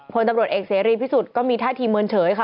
พลตำรวจเอกเสรีพิสุทธิ์ก็มีท่าทีเมินเฉยค่ะ